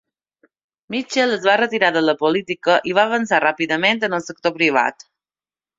Mitchell es va retirar de la política i va avançar ràpidament en el sector privat.